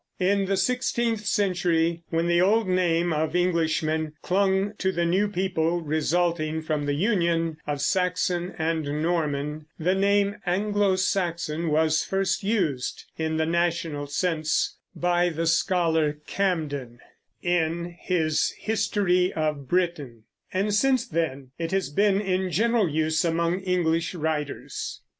In the sixteenth century, when the old name of Englishmen clung to the new people resulting from the union of Saxon and Norman, the name Anglo Saxon was first used in the national sense by the scholar Camden in his History of Britain; and since then it has been in general use among English writers.